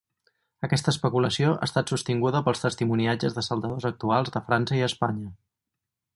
Aquesta especulació ha estat sostinguda pels testimoniatges de saltadors actuals de França i Espanya.